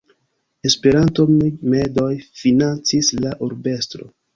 Esperanto-medoj financis la Urbestro.